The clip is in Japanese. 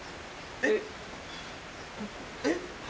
えっ？えっ？